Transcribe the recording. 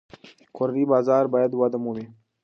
کورني بازار باید وده ومومي.